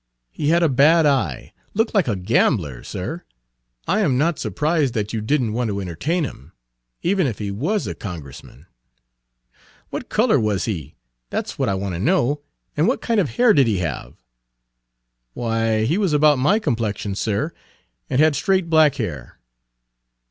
"He had a bad eye, looked like a gambler, sir. I am not surprised that you did n't want to entertain him, even if he was a Congressman." "What color was he that's what I want to know and what kind of hair did he have?" "Why, he was about my complexion, sir, and had straight black hair."